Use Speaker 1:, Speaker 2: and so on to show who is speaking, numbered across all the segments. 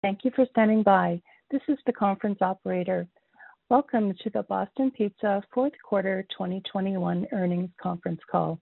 Speaker 1: Thank you for standing by. This is the conference operator. Welcome to the Boston Pizza fourth quarter 2021 earnings conference call.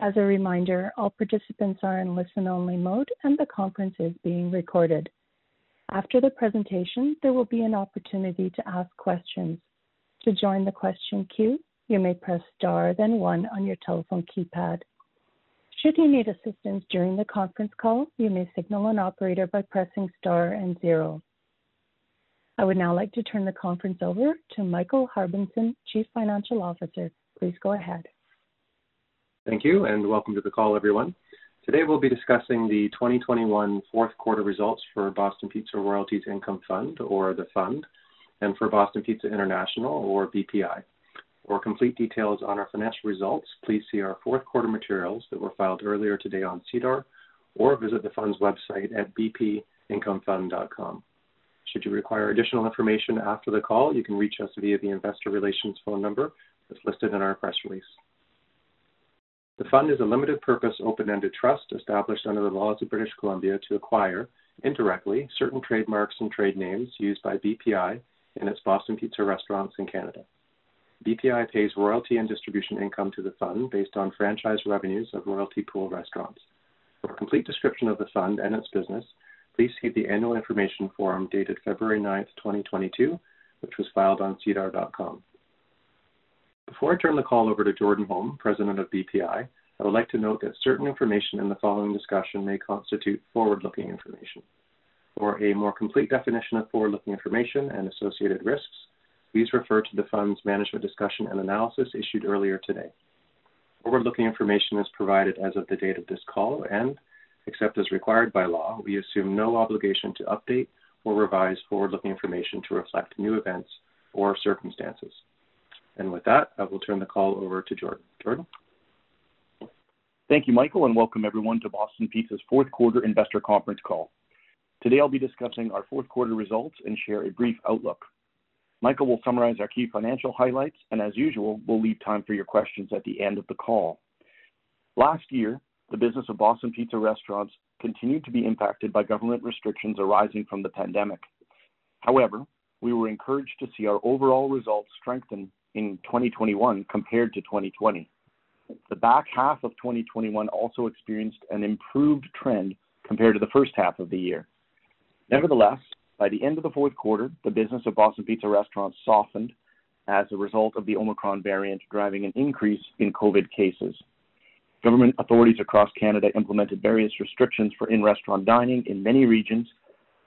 Speaker 1: As a reminder, all participants are in listen-only mode, and the conference is being recorded. After the presentation, there will be an opportunity to ask questions. To join the question queue, you may press star then one on your telephone keypad. Should you need assistance during the conference call, you may signal an operator by pressing star and zero. I would now like to turn the conference over to Michael Harbinson, Chief Financial Officer. Please go ahead.
Speaker 2: Thank you, and welcome to the call, everyone. Today we'll be discussing the 2021 fourth quarter results for Boston Pizza Royalties Income Fund or the fund, and for Boston Pizza International or BPI. For complete details on our financial results, please see our fourth quarter materials that were filed earlier today on SEDAR or visit the fund's website at bpincomefund.com. Should you require additional information after the call, you can reach us via the investor relations phone number that's listed in our press release. The fund is a limited purpose, open-ended trust established under the laws of British Columbia to acquire, indirectly, certain trademarks and trade names used by BPI in its Boston Pizza restaurants in Canada. BPI pays royalty and distribution income to the fund based on franchise revenues of royalty pool restaurants. For a complete description of the fund and its business, please see the annual information form dated February ninth, 2022, which was filed on sedar.com. Before I turn the call over to Jordan Holm, President of BPI, I would like to note that certain information in the following discussion may constitute forward-looking information. For a more complete definition of forward-looking information and associated risks, please refer to the fund's management discussion and analysis issued earlier today. Forward-looking information is provided as of the date of this call, and except as required by law, we assume no obligation to update or revise forward-looking information to reflect new events or circumstances. With that, I will turn the call over to Jordan. Jordan?
Speaker 3: Thank you, Michael, and welcome everyone to Boston Pizza's fourth quarter investor conference call. Today I'll be discussing our fourth quarter results and share a brief outlook. Michael will summarize our key financial highlights and as usual, we'll leave time for your questions at the end of the call. Last year, the business of Boston Pizza restaurants continued to be impacted by government restrictions arising from the pandemic. However, we were encouraged to see our overall results strengthen in 2021 compared to 2020. The back half of 2021 also experienced an improved trend compared to the first half of the year. Nevertheless, by the end of the fourth quarter, the business of Boston Pizza restaurants softened as a result of the Omicron variant, driving an increase in COVID cases. Government authorities across Canada implemented various restrictions for in-restaurant dining in many regions,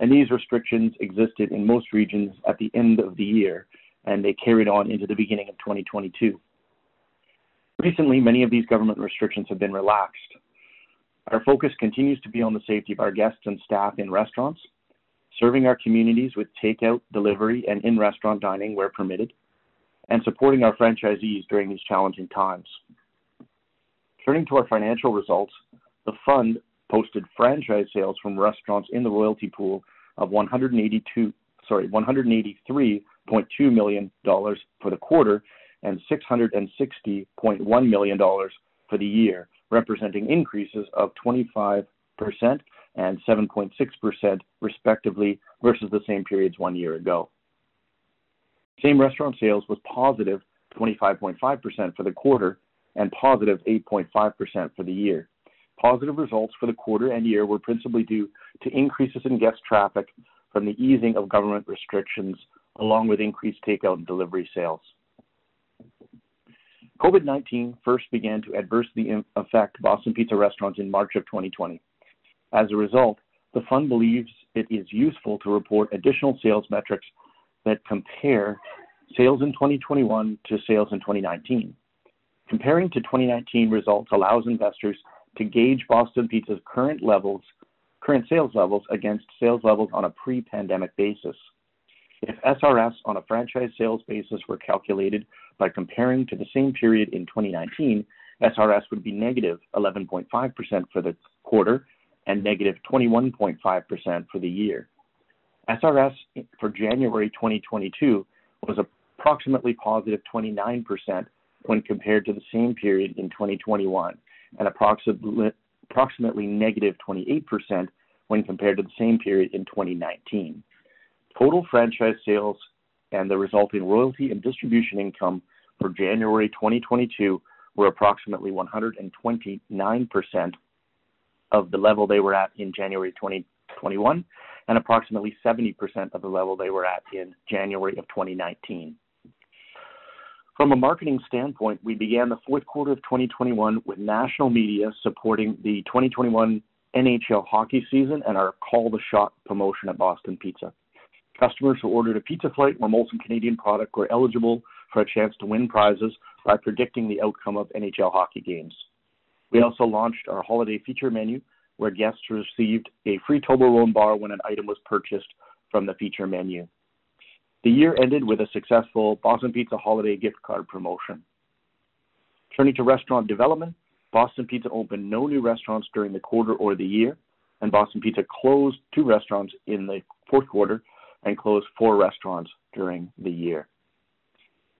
Speaker 3: and these restrictions existed in most regions at the end of the year, and they carried on into the beginning of 2022. Recently, many of these government restrictions have been relaxed. Our focus continues to be on the safety of our guests and staff in restaurants, serving our communities with takeout, delivery, and in-restaurant dining where permitted, and supporting our franchisees during these challenging times. Turning to our financial results, the fund posted franchise sales from restaurants in the royalty pool of 183.2 million dollars for the quarter and 660.1 million dollars for the year, representing increases of 25% and 7.6% respectively, versus the same periods one year ago. Same Restaurant Sales was positive 25.5% for the quarter and positive 8.5% for the year. Positive results for the quarter and year were principally due to increases in guest traffic from the easing of government restrictions, along with increased takeout and delivery sales. COVID-19 first began to adversely affect Boston Pizza restaurants in March 2020. As a result, the fund believes it is useful to report additional sales metrics that compare sales in 2021 to sales in 2019. Comparing to 2019 results allows investors to gauge Boston Pizza's current levels, current sales levels against sales levels on a pre-pandemic basis. If SRS on a Franchise Sales basis were calculated by comparing to the same period in 2019, SRS would be negative 11.5% for the quarter and negative 21.5% for the year. SRS for January 2022 was approximately +29% when compared to the same period in 2021, and approximately -28% when compared to the same period in 2019. Total Franchise Sales and the resulting royalty and distribution income for January 2022 were approximately 129% of the level they were at in January 2021, and approximately 70% of the level they were at in January 2019. From a marketing standpoint, we began the fourth quarter of 2021 with national media supporting the 2021 NHL hockey season and our Call the Shot promotion at Boston Pizza. Customers who ordered a Pizza Flight or Molson Canadian product were eligible for a chance to win prizes by predicting the outcome of NHL hockey games. We also launched our holiday feature menu, where guests received a free Toblerone bar when an item was purchased from the feature menu. The year ended with a successful Boston Pizza holiday gift card promotion. Turning to restaurant development, Boston Pizza opened no new restaurants during the quarter or the year, and Boston Pizza closed two restaurants in the fourth quarter and closed four restaurants during the year.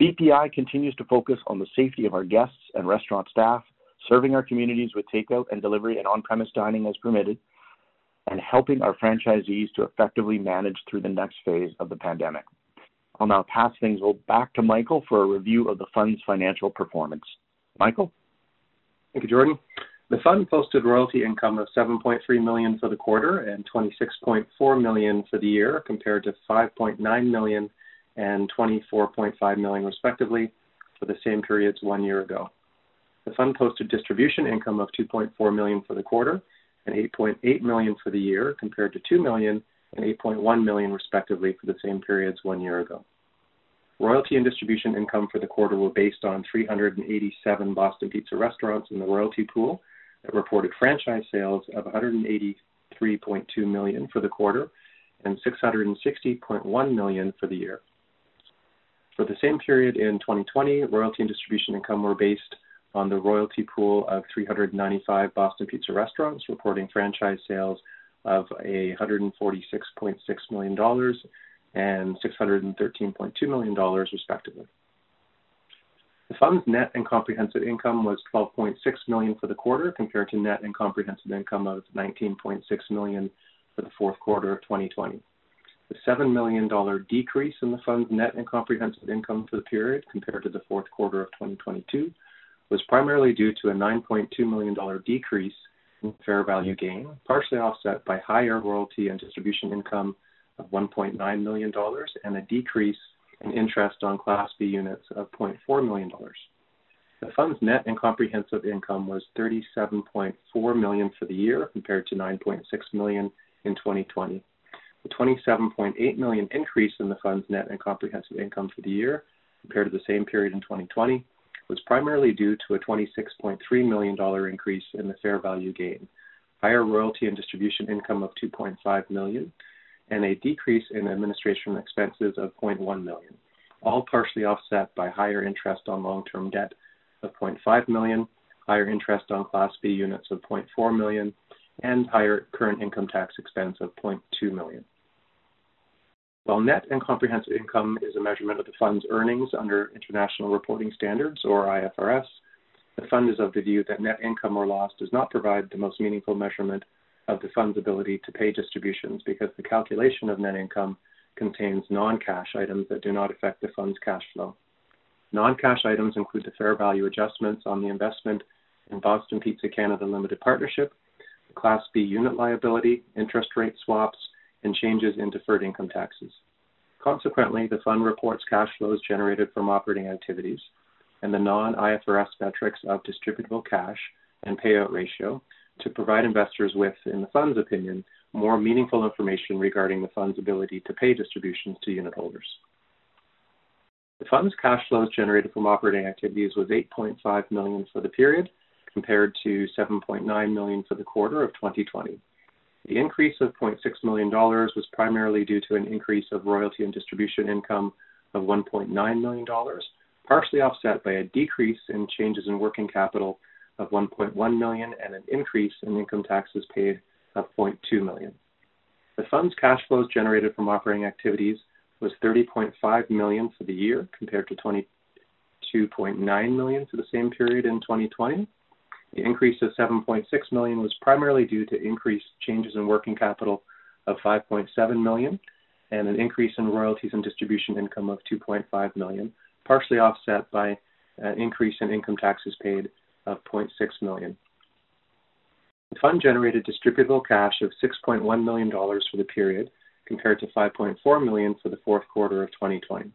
Speaker 3: BPI continues to focus on the safety of our guests and restaurant staff, serving our communities with takeout and delivery and on-premise dining as permitted, and helping our franchisees to effectively manage through the next phase of the pandemic. I'll now pass things over back to Michael for a review of the fund's financial performance. Michael?
Speaker 2: Thank you, Jordan. The fund posted royalty income of 7.3 million for the quarter and 26.4 million for the year, compared to 5.9 million and 24.5 million, respectively, for the same periods one year ago. The fund posted distribution income of 2.4 million for the quarter and 8.8 million for the year, compared to 2 million and 8.1 million, respectively, for the same periods one year ago. Royalty and distribution income for the quarter were based on 387 Boston Pizza restaurants in the Royalty Pool that reported Franchise Sales of 183.2 million for the quarter and 660.1 million for the year. For the same period in 2020, royalty and distribution income were based on the royalty pool of 395 Boston Pizza restaurants, reporting Franchise Sales of 146.6 million dollars and 613.2 million dollars, respectively. The fund's net and comprehensive income was 12.6 million for the quarter, compared to net and comprehensive income of 19.6 million for the fourth quarter of 2020. The 7 million dollar decrease in the fund's net and comprehensive income for the period, compared to the fourth quarter of 2022, was primarily due to a 9.2 million dollar decrease in fair value gain, partially offset by higher royalty and distribution income of 1.9 million dollars and a decrease in interest on Class B Units of 0.4 million dollars. The fund's net and comprehensive income was 37.4 million for the year, compared to 9.6 million in 2020. The 27.8 million increase in the fund's net and comprehensive income for the year, compared to the same period in 2020, was primarily due to a 26.3 million dollar increase in the fair value gain, higher royalty and distribution income of 2.5 million, and a decrease in administrative expenses of 0.1 million, all partially offset by higher interest on long-term debt of 0.5 million, higher interest on Class B Units of 0.4 million, and higher current income tax expense of 0.2 million. While net and comprehensive income is a measurement of the fund's earnings under International Reporting Standards or IFRS, the fund is of the view that net income or loss does not provide the most meaningful measurement of the fund's ability to pay distributions because the calculation of net income contains non-cash items that do not affect the fund's cash flow. Non-cash items include the fair value adjustments on the investment in Boston Pizza Canada Limited Partnership, the Class B unit liability, interest rate swaps, and changes in deferred income taxes. Consequently, the fund reports cash flows generated from operating activities and the non-IFRS metrics of Distributable Cash and Payout Ratio to provide investors with, in the fund's opinion, more meaningful information regarding the fund's ability to pay distributions to unitholders. The fund's cash flows generated from operating activities was 8.5 million for the period, compared to 7.9 million for the quarter of 2020. The increase of 0.6 million dollars was primarily due to an increase of royalty and distribution income of 1.9 million dollars, partially offset by a decrease in changes in working capital of 1.1 million and an increase in income taxes paid of 0.2 million. The fund's cash flows generated from operating activities was 30.5 million for the year, compared to 22.9 million for the same period in 2020. The increase of 7.6 million was primarily due to increased changes in working capital of 5.7 million and an increase in royalties and distribution income of 2.5 million, partially offset by an increase in income taxes paid of 0.6 million. The Fund generated Distributable Cash of 6.1 million dollars for the period, compared to 5.4 million for the fourth quarter of 2020.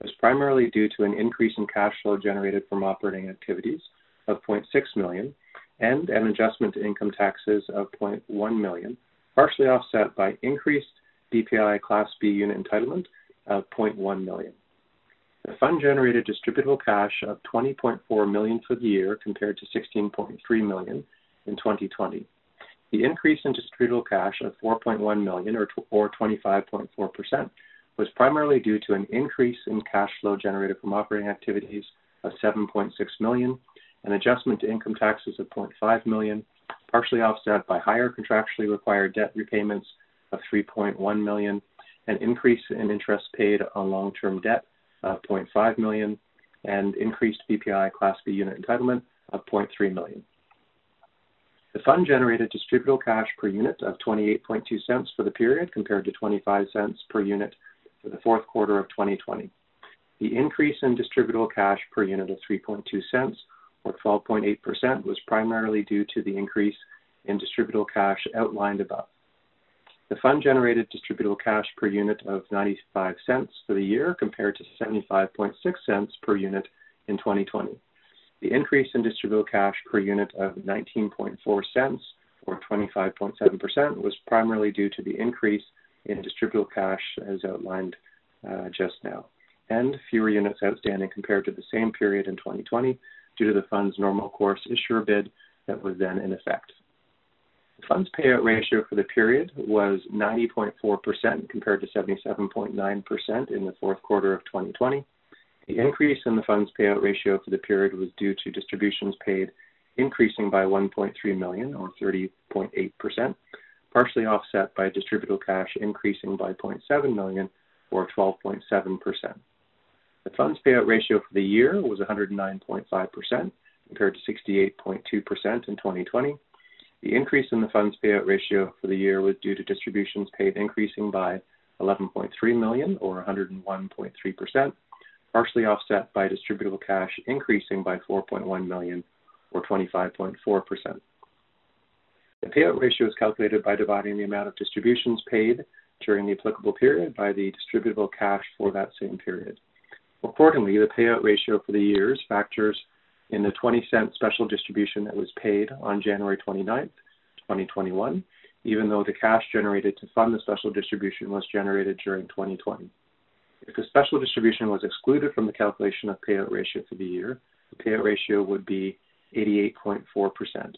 Speaker 2: The increase in Distributable Cash of 0.7 million or 12.7% was primarily due to an increase in cash flow generated from operating activities of 0.6 million and an adjustment to income taxes of 0.1 million, partially offset by increased BPI Class B Unit entitlement of 0.1 million. The Fund generated Distributable Cash of 20.4 million for the year, compared to 16.3 million in 2020. The increase in Distributable Cash of 4.1 million or 25.4% was primarily due to an increase in cash flow generated from operating activities of 7.6 million, an adjustment to income taxes of 0.5 million, partially offset by higher contractually required debt repayments of 3.1 million, an increase in interest paid on long-term debt of 0.5 million, and increased BPI Class B Unit entitlement of 0.3 million. The Fund generated Distributable Cash per unit of 0.282 for the period, compared to 0.25 per unit for the fourth quarter of 2020. The increase in Distributable Cash per unit of 0.032 or 12.8% was primarily due to the increase in Distributable Cash outlined above. The fund generated Distributable Cash per unit of 0.95 for the year, compared to 0.756 per unit in 2020. The increase in Distributable Cash per unit of 0.194 or 25.7% was primarily due to the increase in Distributable Cash as outlined just now, and fewer units outstanding compared to the same period in 2020 due to the fund's Normal Course Issuer Bid that was then in effect. The fund's Payout Ratio for the period was 90.4% compared to 77.9% in the fourth quarter of 2020. The increase in the fund's Payout Ratio for the period was due to distributions paid increasing by 1.3 million or 30.8%, partially offset by Distributable Cash increasing by 0.7 million or 12.7%. The Fund's Payout Ratio for the year was 109.5% compared to 68.2% in 2020. The increase in the Fund's Payout Ratio for the year was due to distributions paid increasing by 11.3 million or 101.3%, partially offset by Distributable Cash increasing by 4.1 million or 25.4%. The Payout Ratio is calculated by dividing the amount of distributions paid during the applicable period by the Distributable Cash for that same period. Accordingly, the Payout Ratio for the year factors in the 0.20 special distribution that was paid on January 29, 2021, even though the cash generated to fund the special distribution was generated during 2020. If the special distribution was excluded from the calculation of payout ratio for the year, the payout ratio would be 88.4%.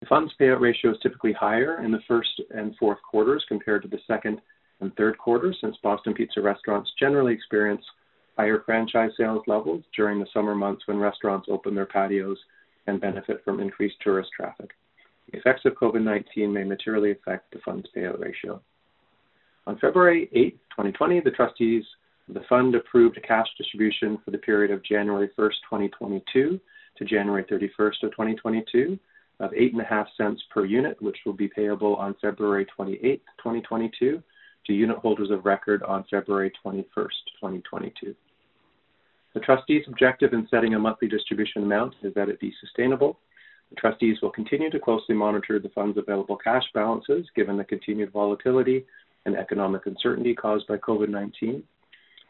Speaker 2: The fund's payout ratio is typically higher in the first and fourth quarters compared to the second and third quarters, since Boston Pizza restaurants generally experience higher franchise sales levels during the summer months when restaurants open their patios and benefit from increased tourist traffic. The effects of COVID-19 may materially affect the fund's payout ratio. On February 8, 2022, the trustees of the fund approved a cash distribution for the period of January 1, 2022 to January 31, 2022 of 0.085 per unit, which will be payable on February 28, 2022 to unitholders of record on February 21, 2022. The trustees' objective in setting a monthly distribution amount is that it be sustainable. The trustees will continue to closely monitor the fund's available cash balances given the continued volatility and economic uncertainty caused by COVID-19.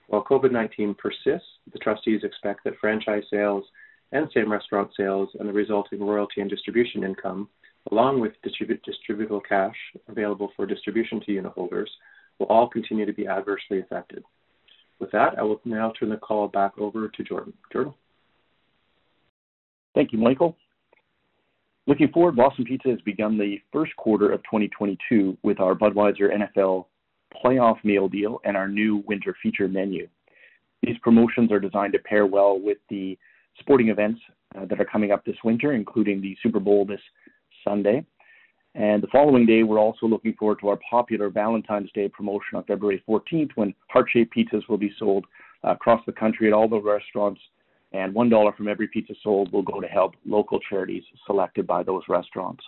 Speaker 2: While COVID-19 persists, the trustees expect that franchise sales and same-restaurant sales and the resulting royalty and distribution income, along with distributable cash available for distribution to unitholders, will all continue to be adversely affected. With that, I will now turn the call back over to Jordan Holm.
Speaker 3: Thank you, Michael. Looking forward, Boston Pizza has begun the first quarter of 2022 with our Budweiser NFL Playoff Meal Deal and our new winter feature menu. These promotions are designed to pair well with the sporting events that are coming up this winter, including the Super Bowl this Sunday. The following day, we're also looking forward to our popular Valentine's Day promotion on February fourteenth, when heart-shaped pizzas will be sold across the country at all the restaurants, and 1 dollar from every pizza sold will go to help local charities selected by those restaurants.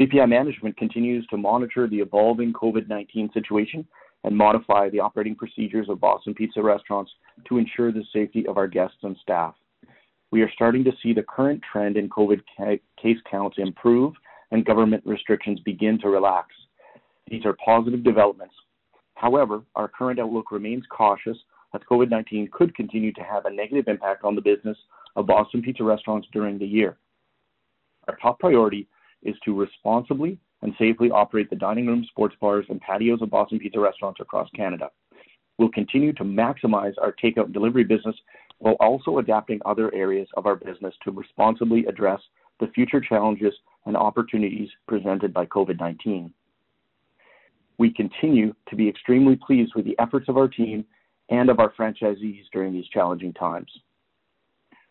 Speaker 3: BPI management continues to monitor the evolving COVID-19 situation and modify the operating procedures of Boston Pizza restaurants to ensure the safety of our guests and staff. We are starting to see the current trend in COVID case counts improve and government restrictions begin to relax. These are positive developments. However, our current outlook remains cautious that COVID-19 could continue to have a negative impact on the business of Boston Pizza restaurants during the year. Our top priority is to responsibly and safely operate the dining room, sports bars, and patios of Boston Pizza restaurants across Canada. We'll continue to maximize our takeout and delivery business while also adapting other areas of our business to responsibly address the future challenges and opportunities presented by COVID-19. We continue to be extremely pleased with the efforts of our team and of our franchisees during these challenging times.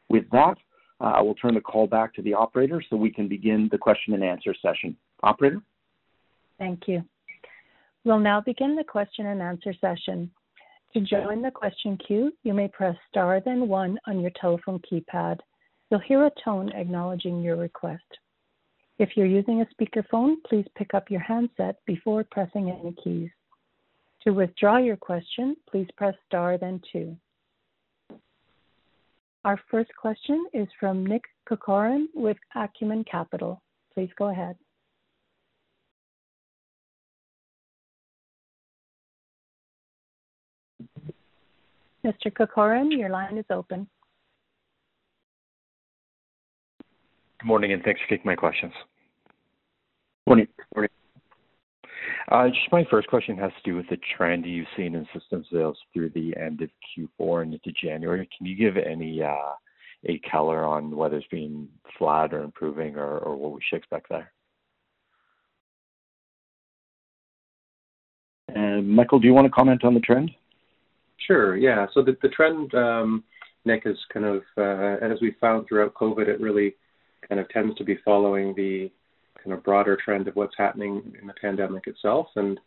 Speaker 3: With that, I will turn the call back to the operator, so we can begin the question and answer session. Operator?
Speaker 1: Thank you. We'll now begin the question and answer session. To join the question queue, you may press star then one on your telephone keypad. You'll hear a tone acknowledging your request. If you're using a speakerphone, please pick up your handset before pressing any keys. To withdraw your question, please press star then two. Our first question is from Nick Corcoran with Acumen Capital. Please go ahead. Mr. Corcoran, your line is open.
Speaker 4: Good morning, and thanks for taking my questions.
Speaker 3: Morning.
Speaker 4: Just my first question has to do with the trend you've seen in system sales through the end of Q4 and into January. Can you give any color on whether it's been flat or improving or what we should expect there?
Speaker 3: Michael, do you wanna comment on the trend?
Speaker 2: Sure, yeah. The trend, Nick, is kind of as we found throughout COVID, it really kind of tends to be following the kind of broader trend of what's happening in the pandemic itself. You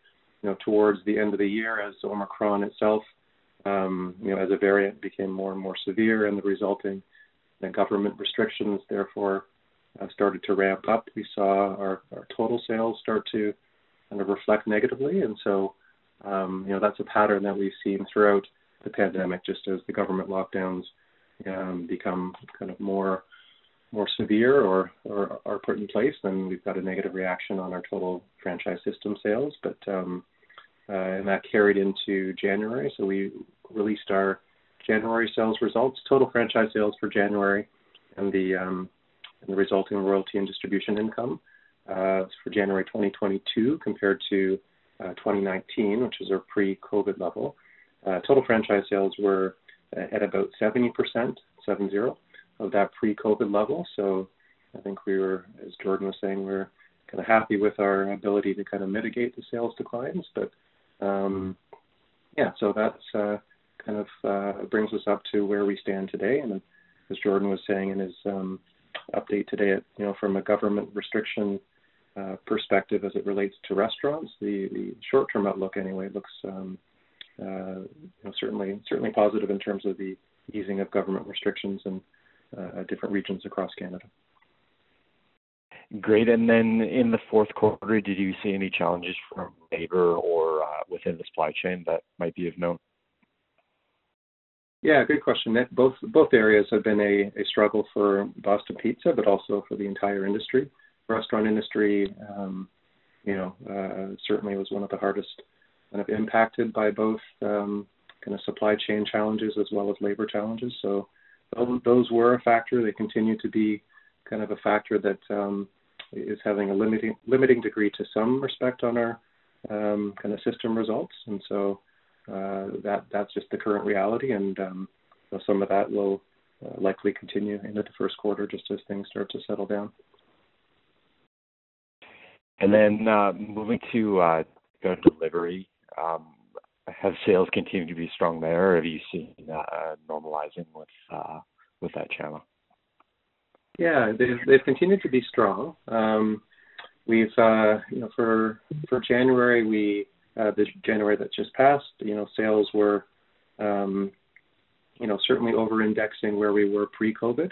Speaker 2: know, towards the end of the year, as Omicron itself, you know, as a variant became more and more severe and the resulting government restrictions therefore started to ramp up, we saw our total sales start to kind of reflect negatively. You know, that's a pattern that we've seen throughout the pandemic, just as the government lockdowns become kind of more severe or are put in place, then we've got a negative reaction on our total franchise system sales. That carried into January. We released our January sales results, total Franchise Sales for January and the resulting royalty and distribution income for January 2022 compared to 2019, which is our pre-COVID level. Total Franchise Sales were at about 70% of that pre-COVID level. I think we were, as Jordan was saying, we're kinda happy with our ability to kind of mitigate the sales declines. That's kind of brings us up to where we stand today. As Jordan was saying in his update today, you know, from a government restriction perspective as it relates to restaurants, the short-term outlook anyway looks, you know, certainly positive in terms of the easing of government restrictions in different regions across Canada.
Speaker 4: Great. In the fourth quarter, did you see any challenges from labor or within the supply chain that might be of note?
Speaker 2: Yeah, good question. Both areas have been a struggle for Boston Pizza, but also for the entire restaurant industry certainly was one of the hardest kind of impacted by both kind of supply chain challenges as well as labor challenges. Those were a factor. They continue to be kind of a factor that is having a limiting degree in some respect on our kind of system results. That's just the current reality. Some of that will likely continue into the first quarter just as things start to settle down.
Speaker 4: Moving to go delivery, have sales continued to be strong there or have you seen a normalizing with that channel?
Speaker 2: Yeah. They've continued to be strong. We've, you know, for January, this January that just passed, you know, sales were certainly over-indexing where we were pre-COVID.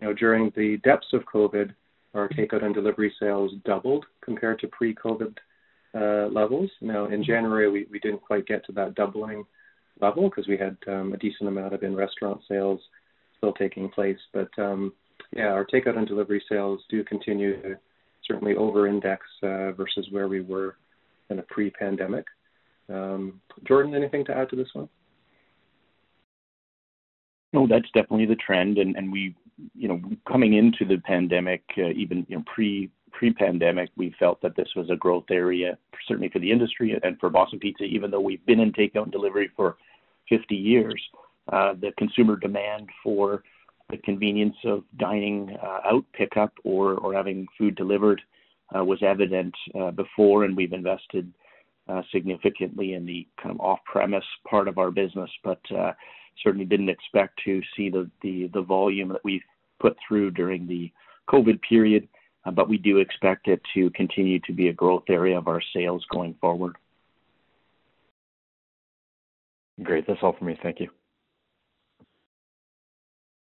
Speaker 2: You know, during the depths of COVID, our takeout and delivery sales doubled compared to pre-COVID levels. Now, in January we didn't quite get to that doubling level 'cause we had a decent amount of in-restaurant sales still taking place. Yeah, our takeout and delivery sales do continue to certainly over-index versus where we were in a pre-pandemic. Jordan, anything to add to this one?
Speaker 3: No, that's definitely the trend. We, you know, coming into the pandemic, even, you know, pre-pandemic, we felt that this was a growth area certainly for the industry and for Boston Pizza, even though we've been in takeout and delivery for 50 years. The consumer demand for the convenience of dining takeout pickup or having food delivered was evident before, and we've invested significantly in the kind of off-premise part of our business. Certainly didn't expect to see the volume that we've put through during the COVID period. We do expect it to continue to be a growth area of our sales going forward.
Speaker 4: Great. That's all for me. Thank you.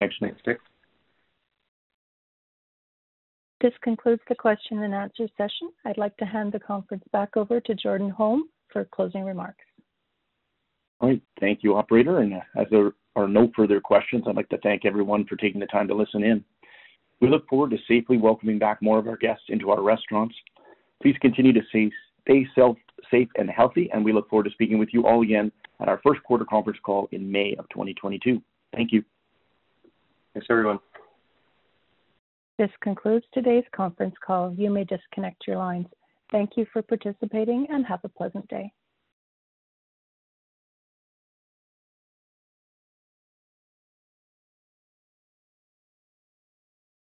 Speaker 2: Thanks. Next, Nick.
Speaker 1: This concludes the question and answer session. I'd like to hand the conference back over to Jordan Holm for closing remarks.
Speaker 3: All right. Thank you, operator. As there are no further questions, I'd like to thank everyone for taking the time to listen in. We look forward to safely welcoming back more of our guests into our restaurants. Please continue to stay safe and healthy, and we look forward to speaking with you all again at our first quarter conference call in May of 2022. Thank you.
Speaker 2: Thanks, everyone.
Speaker 1: This concludes today's conference call. You may disconnect your lines. Thank you for participating, and have a pleasant day.